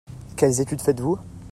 Quelles études faites-vous ?